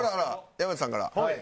山内さんから？